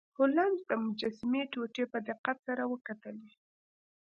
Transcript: هولمز د مجسمې ټوټې په دقت سره وکتلې.